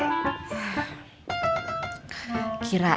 tidak ada apa apa makasih ya mbak